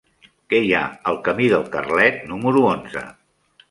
Què hi ha al camí del Carlet número onze?